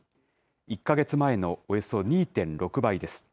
１か月前のおよそ２．６倍です。